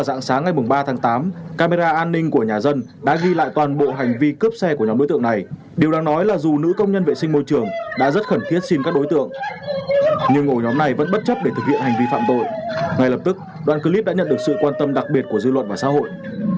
dạng sáng ngày ba tháng tám camera an ninh của nhà dân đã ghi lại toàn bộ hành vi cướp xe của nhóm đối tượng này điều đáng nói là dù nữ công nhân vệ sinh môi trường đã rất khẩn thiết xin các đối tượng nhưng ổ nhóm này vẫn bất chấp để thực hiện hành vi phạm tội ngay lập tức đoàn clip đã nhận được sự quan tâm đặc biệt của dư luận và xã hội